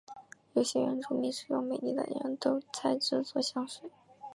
有些原住民使用美丽耧斗菜制作香水。